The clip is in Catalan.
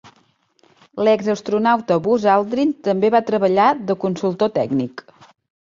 L'ex-astronauta Buzz Aldrin també va treballar de consultor tècnic.